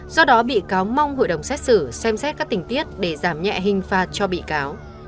do đó bị cáo mong hội đồng xét xử xem xét các tình tiết để giảm nhẹ hình phạt cho bị cáo